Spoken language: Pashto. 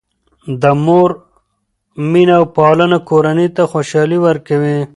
د مور مینه او پالنه کورنۍ ته خوشحالي ورکوي.